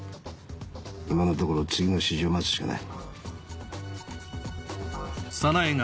今のところ次の指示を待つしかない。